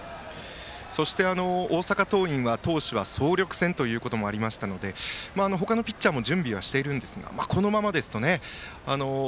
そして大阪桐蔭は投手は総力戦ということもありましたので他のピッチャーも準備していますがこのままだと。